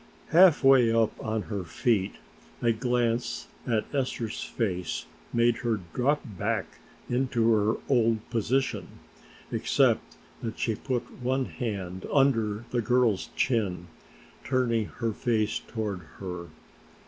Halfway up on her feet a glance at Esther's face made her drop back into her old position, except that she put one hand under the girl's chin, turning her face toward her.